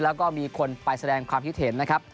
แล้วก็มีคนไปแสดงความคิดเห็นนะครับ